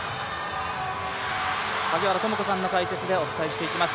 萩原智子さんの解説でお伝えしていきます。